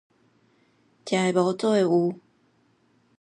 食的無，做的有